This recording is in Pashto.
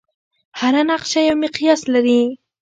هره نقشه یو مقیاس لري.